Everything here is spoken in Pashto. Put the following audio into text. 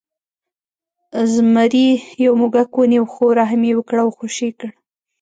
زمري یو موږک ونیو خو رحم یې وکړ او خوشې یې کړ.